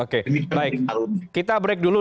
oke baik kita break lagi